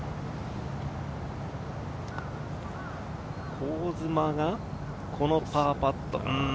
香妻がこのパーパット。